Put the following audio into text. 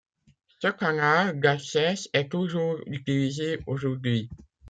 Ce canal d’accès est toujours utilisé aujourd’hui.